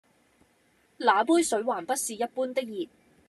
那杯水還不是一般的熱